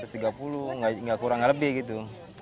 nggak kurang kurang lebih gitu